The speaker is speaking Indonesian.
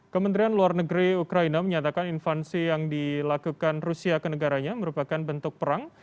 kementerian luar negeri ukraina menyatakan infansi yang dilakukan rusia ke negaranya merupakan bentuk perang